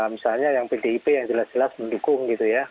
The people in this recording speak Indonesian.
misalnya yang pdip yang jelas jelas mendukung gitu ya